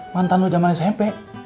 mantan lu jaman smp